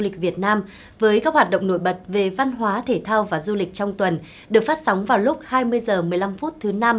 các hoạt động nổi bật về văn hóa thể thao và du lịch trong tuần được phát sóng vào lúc hai mươi h một mươi năm thứ năm